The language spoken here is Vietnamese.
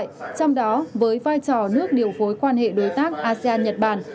trong đó với vai trò nước điều phối quan hệ đối tác asean nhật bản